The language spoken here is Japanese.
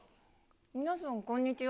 皆さんこんにちは。